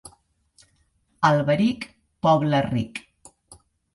Alberic, poble ric.